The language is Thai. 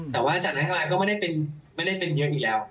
แต่ว่าจากนั้นอะไรก็ไม่ได้เป็นเยอะอีกแล้ว